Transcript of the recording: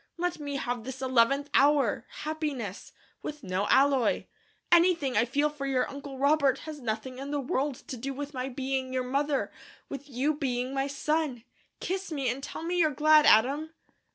Let me have this eleventh hour happiness, with no alloy. Anything I feel for your Uncle Robert has nothing in the world to do with my being your mother; with you being my son. Kiss me, and tell me you're glad, Adam."